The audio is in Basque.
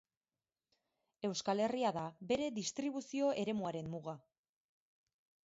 Euskal Herria da bere distribuzio-eremuaren muga.